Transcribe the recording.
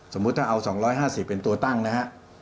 สมมุติถ้าเอา๒๕๐เป็นตัวตั้งนะฮะ